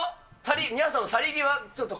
皆さん、去り際、ちょっと。